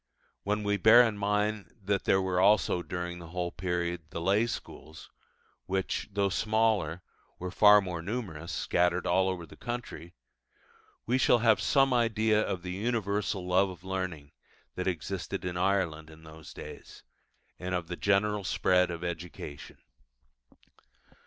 When we bear in mind that there were also, during the whole period, the lay schools, which, though smaller, were far more numerous scattered all over the country we shall have some idea of the universal love of learning that existed in Ireland in those days, and of the general spread of education.